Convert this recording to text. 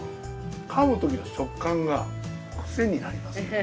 噛むときの食感がクセになります。